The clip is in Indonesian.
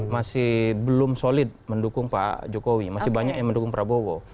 masih belum solid mendukung pak jokowi masih banyak yang mendukung prabowo